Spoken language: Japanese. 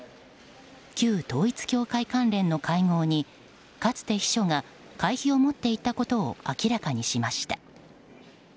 旧統一教会関連の会合にかつて秘書が会費を持って行ったことを明らかにしました。